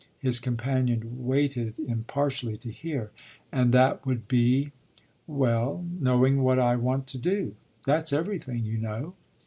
His companion waited impartially to hear. "And that would be ?" "Well, knowing what I want to do. That's everything, you know."